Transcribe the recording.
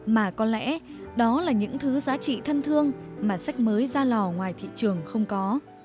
mà có lẽ đó là những thứ giá trị thân thương mà sách mới ra lò ngoài thị trường không có